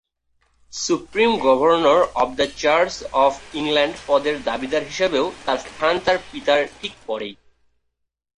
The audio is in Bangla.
Supreme governor of the church of England পদের দাবিদার হিসেবেও তার স্থান তার পিতার ঠিক পরেই।